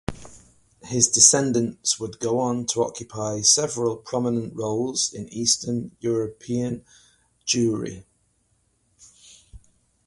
His descendants would go on to occupy several prominent roles in Eastern European Jewry.